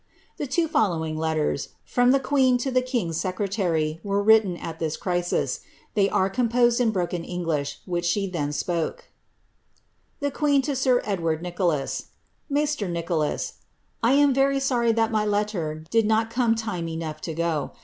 * The two following letters, from the queen to the king's secretary, were written at this crisis. Thev are composed in the broken Englidi which she then spoke :— T» QuBBH TO Sza Ebwasd NrcioLAt. Maistre Nicholas, I am veri lory that mjr Ititrt did not come time enouf to go.